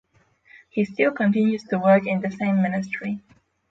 He still continues to work in the same ministry.